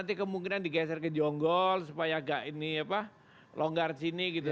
nanti kemungkinan digeser ke jonggol supaya gak ini apa longgar sini gitu